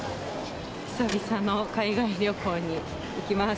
久々の海外旅行に行きます。